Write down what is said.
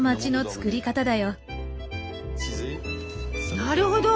なるほど！